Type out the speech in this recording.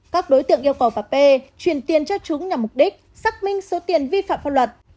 các đối tượng yêu cầu bà p truyền tiền cho chúng nhằm mục đích xác minh số tiền vi phạm pháp luật